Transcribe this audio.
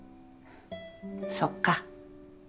そっか。